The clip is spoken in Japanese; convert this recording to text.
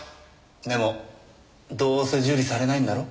でもどうせ受理されないんだろ？